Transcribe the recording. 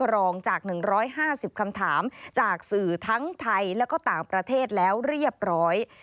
แล้วก็ต่างประเทศแล้วเรียบร้อย